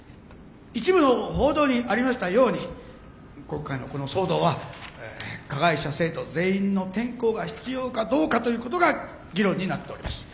一部の報道にありましたように今回のこの騒動は加害者生徒全員の転校が必要かどうかという事が議論になっております。